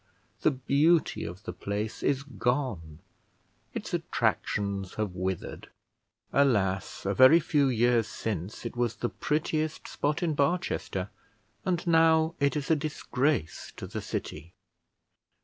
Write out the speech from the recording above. The beauty of the place is gone; its attractions have withered. Alas! a very few years since it was the prettiest spot in Barchester, and now it is a disgrace to the city.